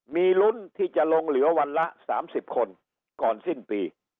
มีลุ้นที่จะลงเหลือวันละ๓๐คนก่อนสิ้นปี